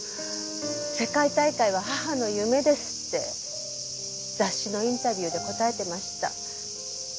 世界大会は母の夢ですって雑誌のインタビューで答えてました。